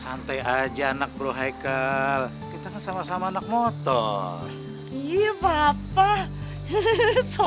santai aja anak bro haikal kita sama sama anak motor iya apa